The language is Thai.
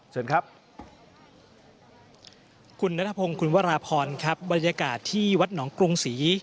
เชิญครับคุณนัทพงศ์คุณวราพรครับบรรยากาศที่วัดหนองกรุงศรี